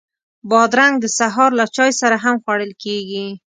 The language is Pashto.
بادرنګ د سهار له چای سره هم خوړل کېږي.